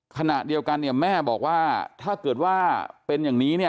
ขณะเดียวกันเนี่ยแม่บอกว่าถ้าเกิดว่าเป็นอย่างนี้เนี่ย